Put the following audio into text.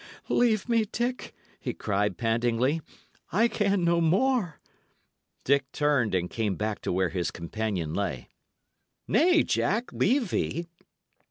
"Leave me, Dick!" he cried, pantingly; "I can no more." Dick turned, and came back to where his companion lay. "Nay, Jack, leave thee!"